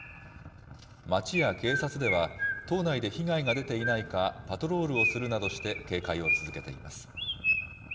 町や警察では、島内で被害が出ていないかパトロールをするなどして、警戒を続けています。